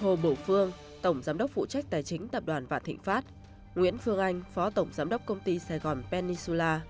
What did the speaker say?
hồ bổ phương tổng giám đốc phụ trách tài chính tập đoàn vạn thịnh pháp nguyễn phương anh phó tổng giám đốc công ty sài gòn peninsula